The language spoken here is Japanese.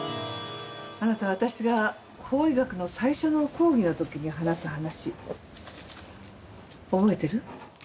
あなた私が法医学の最初の講義の時に話す話覚えてる？